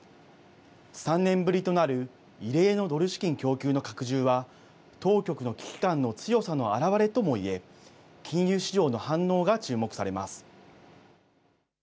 ３年ぶりとなる異例のドル資金供給の拡充は当局の危機感の強さの表れともいえ、金融市場の反応が注目されます。